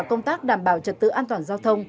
công tác đảm bảo trật tự an toàn giao thông